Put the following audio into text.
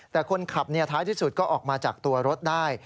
แต่คนขับท้ายที่สุดก็ออกมาจากตัวรถได้